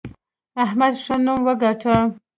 احمد ښه نوم وګاټه.